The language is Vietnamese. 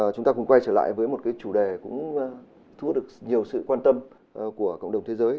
chúng ta cùng quay trở lại với một cái chủ đề cũng thu hút được nhiều sự quan tâm của cộng đồng thế giới